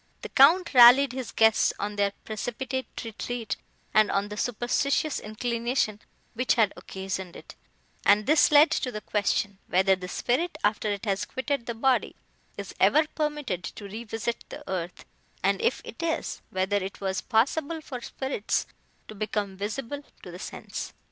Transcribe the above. The Count rallied his guests on their precipitate retreat, and on the superstitious inclination which had occasioned it, and this led to the question, whether the spirit, after it has quitted the body, is ever permitted to revisit the earth; and if it is, whether it was possible for spirits to become visible to the sense.